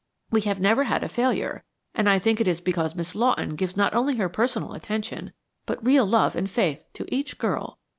We have never had a failure, and I think it is because Miss Lawton gives not only her personal attention, but real love and faith to each girl.